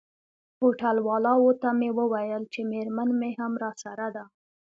هوټل والاو ته مې وویل چي میرمن مي هم راسره ده.